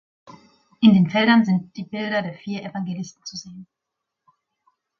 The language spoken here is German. In den Feldern sind die Bilder der vier Evangelisten zu sehen.